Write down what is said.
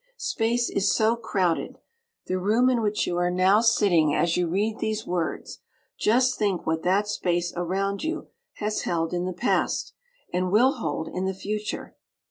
Space is so crowded! The room in which you are now sitting as you read these words just think what that Space around you has held in the Past, and will hold in the Future!